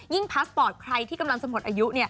พาสปอร์ตใครที่กำลังจะหมดอายุ